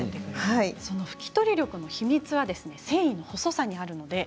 拭き取り力の秘密は繊維の細さにあります。